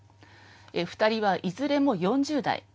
２人はいずれも４０代。